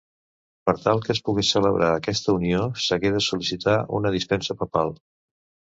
Per tal que es pogués celebrar aquesta unió s'hagué de sol·licitar una dispensa papal.